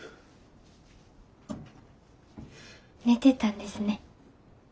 寝てたんですね。